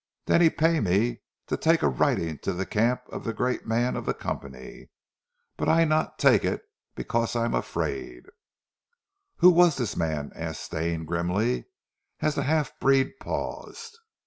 Den he pay me to take a writing to zee camp of zee great man of zee Company, but I not take eet becos I am afraid." "Who was this man?" asked Stane grimly, as the half breed paused.